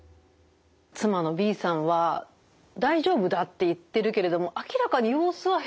妻のＢさんは「大丈夫だ」って言ってるけれども明らかに様子は変ですよね。